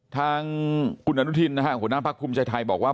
ทางคุณอนุทินนะฮะหัวหน้าพักภูมิใจไทยบอกว่า